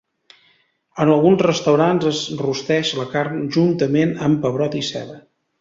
En alguns restaurants es rosteix la carn juntament amb pebrot i ceba.